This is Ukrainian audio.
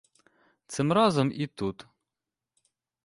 Цим разом і тут.